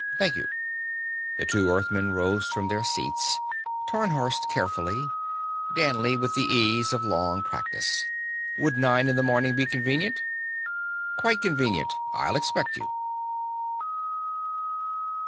"Thank you." The two Earthmen rose from their seats Tarnhorst carefully, Danley with the ease of long practice. "Would nine in the morning be convenient?" "Quite convenient. I'll expect you."